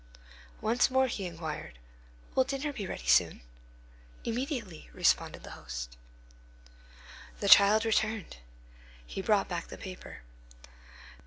Once more he inquired, "Will dinner be ready soon?" "Immediately," responded the host. The child returned. He brought back the paper.